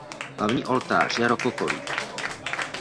Hlavní oltář je rokokový.